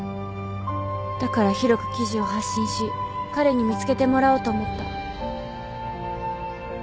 だから広く記事を発信し彼に見つけてもらおうと思った。